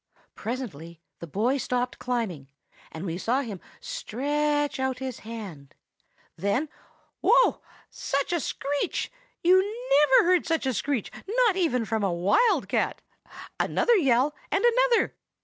"Presently the boy stopped climbing, and we saw him stretch out his hand. Then—oh! such a screech! You never heard such a screech, not even from a wild cat. Another yell, and another.